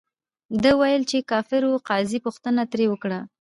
ده ویل، چې کافر ؤ. قاضي پوښتنه ترې وکړه،